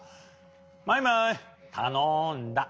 マイマイたのんだ。